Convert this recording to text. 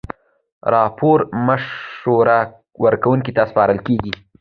راپور مشوره ورکوونکي ته سپارل کیږي.